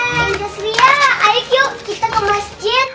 prinses ria ayo yuk kita ke masjid